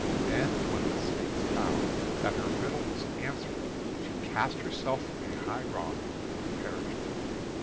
And when the Sphinx found that her riddle was answered, she cast herself from a high rock and perished.